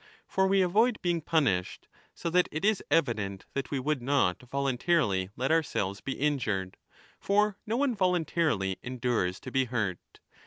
For we avoid being punished, so that it is evident that we would not voluntarily let ourselves be injured. For no one voluntarily endures to be hurt.